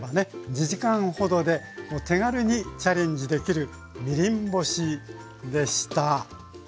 ２時間ほどで手軽にチャレンジできるみりん干しでした。